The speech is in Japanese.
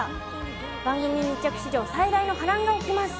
番組密着史上最大の波乱が起きます。